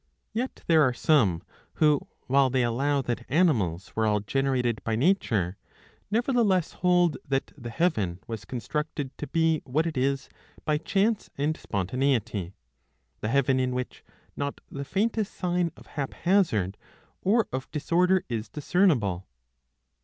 Yet there are some who, while they allow that animals were all generated by nature, nevertheless hold that the heaven was constructed to be what it is by chance and spontaneity ; the heaven, in which not the faintest sign of hap hazard or of disorder is discernible